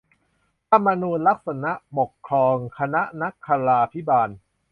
ธรรมนูญลักษณปกครองคณะนคราภิบาล